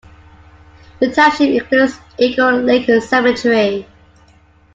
The township includes Eagle Lake Cemetery.